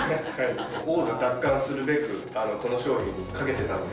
王座奪還するべく、この商品にかけてたんで。